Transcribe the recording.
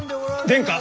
・殿下！